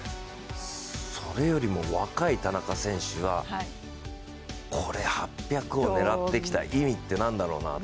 それよりも若い田中選手がこれ８００を狙ってきた意味って何だろうな。